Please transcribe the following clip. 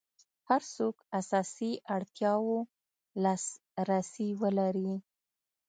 هر څوک اساسي اړتیاوو لاس رسي ولري.